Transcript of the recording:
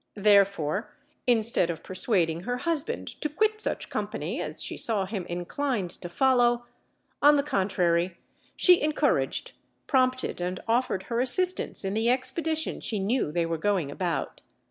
Therefore, instead of persuading her husband to quit such company as she saw him inclined to follow, on the contrary she encouraged, prompted and offered her assistance in the expedition she knew they were going about.